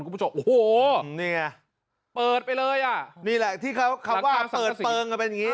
คุณผู้ชมโอ้โหเนี่ยเปิดไปเลยมีแหละที่เขาเก็บเปิงก็เป็นแบบนี้